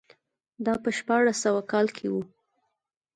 دا په شپاړس سوه کال کې و.